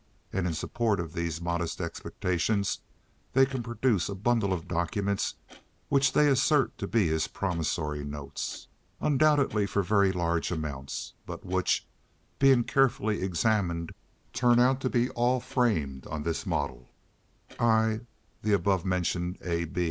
And in support of these modest expectations they can produce a bundle of documents which they assert to be his promissory notes, undoubtedly for very large amounts; but which, being carefully examined, turn out to be all framed on this model: "I, the above mentioned A.